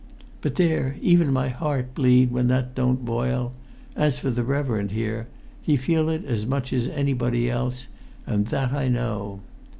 But there, even my heart bleed when that don't boil; as for the reverend here, he feel it as much as anybody else, and that I know.